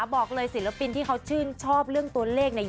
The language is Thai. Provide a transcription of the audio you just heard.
บอกเลยศิลปินที่เขาชื่นชอบเรื่องตัวเลขเนี่ย